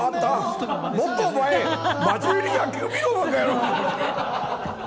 もっとお前、真面目に野球見ろ、この野郎。